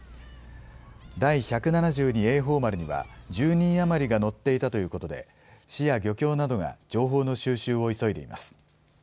第１７２瑩寳丸には、１０人余りが乗っていたということで、市や漁協などが情報の収集を急いでいます。